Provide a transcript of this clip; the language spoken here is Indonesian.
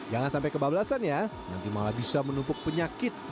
jangan sampai kebablasan ya nanti malah bisa menumpuk penyakit